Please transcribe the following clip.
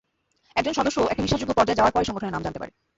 একজন সদস্য একটা বিশ্বাসযোগ্য পর্যায়ে যাওয়ার পরই সংগঠনের নাম জানতে পারে।